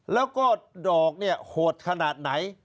แล้วก็ดอกเนี่ยโหดขนาดไหน